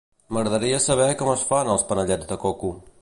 M'agradaria saber com es fan els panellets de coco.